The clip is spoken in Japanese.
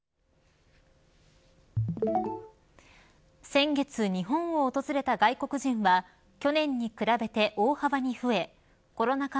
先月、日本を訪れた外国人は去年に比べて大幅に増えコロナ禍